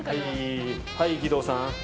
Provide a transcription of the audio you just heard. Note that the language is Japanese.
はい義堂さん。